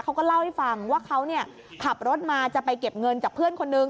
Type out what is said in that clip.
เขาก็เล่าให้ฟังว่าเขาขับรถมาจะไปเก็บเงินจากเพื่อนคนนึง